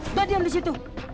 mbak diam di situ